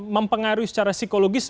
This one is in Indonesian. mempengaruhi secara psikologis